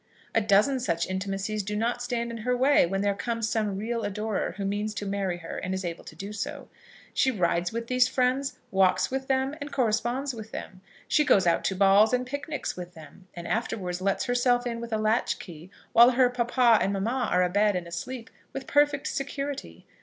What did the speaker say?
A dozen such intimacies do not stand in her way when there comes some real adorer who means to marry her and is able to do so. She rides with these friends, walks with them, and corresponds with them. She goes out to balls and picnics with them, and afterwards lets herself in with a latchkey, while her papa and mamma are a bed and asleep, with perfect security.